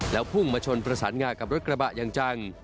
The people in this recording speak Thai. แล้วพุ่งมาชนประสานงากับรถกระบะอย่างจัง